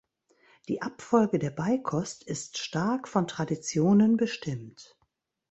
Die Abfolge der Beikost ist stark von Traditionen bestimmt.